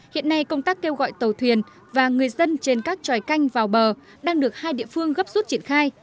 hiện nay công tác kêu gọi tàu thuyền và người dân trên các tròi canh vào bờ đang được hai địa phương gấp rút triển khai